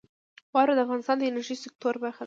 واوره د افغانستان د انرژۍ سکتور برخه ده.